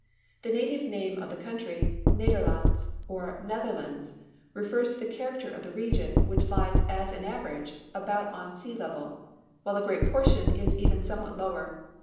The native name of the country, "Nederlands," or Netherlands, refers to the character of the region, which lies as an average, about on the sea level; while a great portion is even somewhat lower.